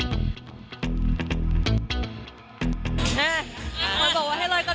เราก็โทรไปก่อนว่ากลายสถานการณ์